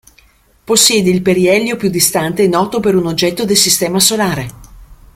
Possiede il perielio più distante noto per un oggetto del sistema solare.